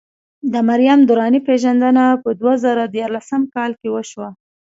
د مریم درانۍ پېژندنه په دوه زره ديارلسم کال کې وشوه.